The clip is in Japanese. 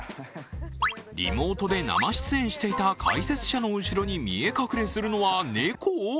リモートで生出演していた解説者の後ろに見え隠れするのは猫？